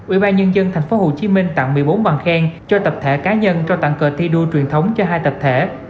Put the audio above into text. ubnd tp hcm tặng một mươi bốn bằng khen cho tập thể cá nhân cho tặng cờ thi đua truyền thống cho hai tập thể